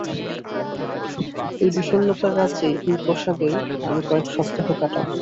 এই বিষন্নতার রাজ্যে, এই প্রাসাদেই আমি কয়েক সপ্তাহ কাটাব।